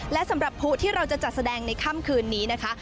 และสำหรับผู้ที่เราจะจัดแสดงในค่ำคืนนี้นะคะ